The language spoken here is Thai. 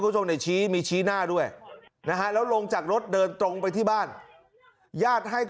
ล่าสุดทีมข่าวลงไปที่ซอยแสนสุกตะบลห้วยโปะอำเภอเมืองไร้ยองไปพบหลักฐานภาพจากโลกวงจรปิด